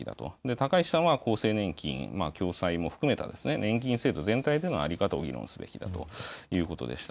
高市さんは、厚生年金、共済も含めた年金制度全体での在り方を議論すべきだということでした。